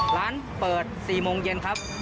ร้านเปิด๔โมงเย็นครับ